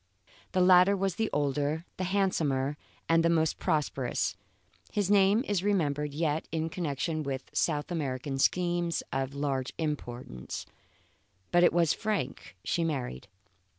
The latter was the older, the handsomer, and the most prosperous (his name is remembered yet in connection with South American schemes of large importance), but it was Frank she married.